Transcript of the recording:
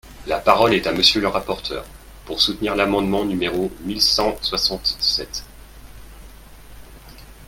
La parole est à Monsieur le rapporteur, pour soutenir l’amendement numéro mille cent soixante-sept.